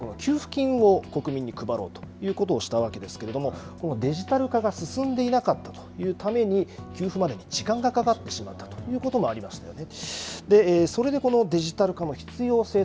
コロナに伴って給付金を国民に配ろうということをしたわけですけれどもデジタル化が進んでいなかったというために給付までに時間がかかってしまったということもありますね。